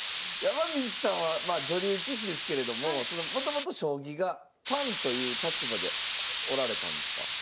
山口さんはまあ女流棋士ですけれどももともと将棋がファンという立場でおられたんですか？